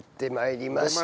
出ました。